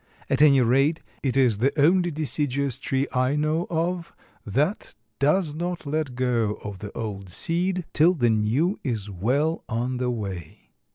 At any rate, it is the only deciduous tree I know of that does not let go the old seed till the new is well on the way."